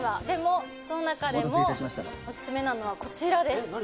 でもその中でもオススメなのはこちらです。